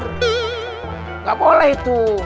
nggak boleh itu